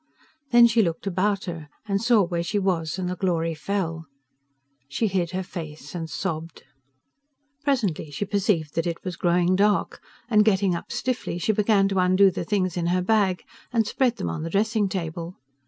Then she looked about her, and saw where she was, and the glory fell. She hid her face and sobbed. Presently she perceived that it was growing dark, and getting up stiffly she began to undo the things in her bag and spread them on the dressing table.